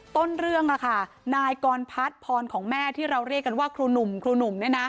ต้นเรื่องนายกรพัฒน์พรของแม่ที่เราเรียกกันว่าครูหนุ่มครูหนุ่ม